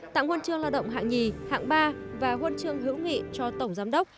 tặng huân chương lao động hạng nhì hạng ba và huân chương hữu nghị cho tổng giám đốc